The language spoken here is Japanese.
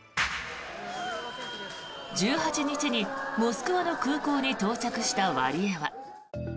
１８日にモスクワの空港に到着したワリエワ。